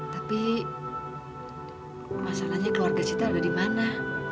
tapi masalahnya keluarga sita udah di mana